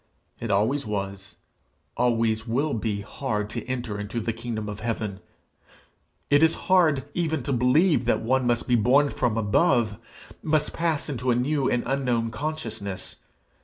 It always was, always will be, hard to enter into the kingdom of heaven. It is hard even to believe that one must be born from above must pass into a new and unknown consciousness.